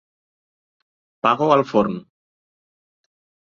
Pago al forn.